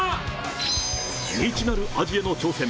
未知なる味への挑戦。